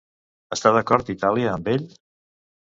Està d'acord Itàlia amb ell?